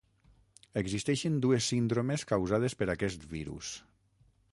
Existeixen dues síndromes causades per aquest virus.